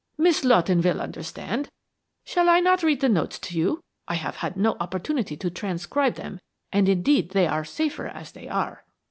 Miss Lawton will understand. Shall not I read the notes to you? I have had no opportunity to transcribe them and indeed they are safer as they are."